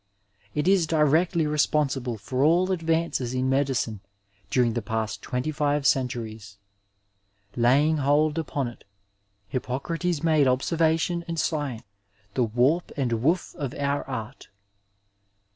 It is di rectly responsible for all advances, in medicine during the past twenty five centuries. Laying hold upon it Hippo crates made observation and science the warp aijid woof of our art.